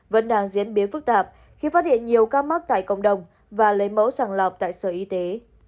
vẫn đang diễn biến phức tạp khi phát hiện nhiều ca mắc tại cộng đồng và lấy mẫu sàng lọc tại sở y tế